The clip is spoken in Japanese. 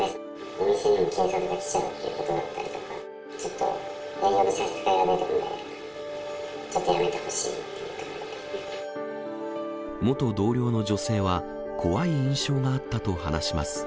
お店にも警察が来ちゃうっていうことだとか、ちょっと営業に差し支えが出てくるので、ちょっとやめてほしいと元同僚の女性は、怖い印象があったと話します。